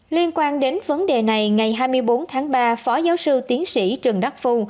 liên quan đến vấn đề này ngày hai mươi bốn tháng ba phó giáo sư tiến sĩ trần đắc phu